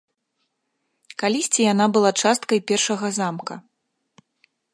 Калісьці яна была часткай першага замка.